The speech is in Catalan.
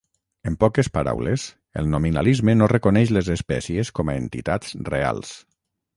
En poques paraules, el nominalisme no reconeix les espècies com a entitats reals.